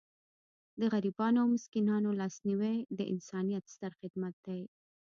د غریبانو او مسکینانو لاسنیوی د انسانیت ستر خدمت دی.